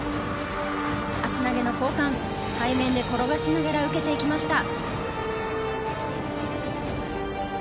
足投げの交換背面で転がしながら受けていきました。